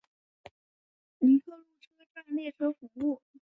尼克路车站列车服务。